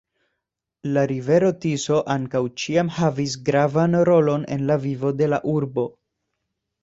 La rivero Tiso ankaŭ ĉiam havis gravan rolon en la vivo de la urbo.